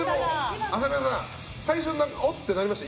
朝倉さん、最初おってなりました？